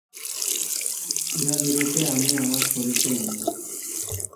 ইঁহাদিগকে আমি আমার শরীরটাই দিব।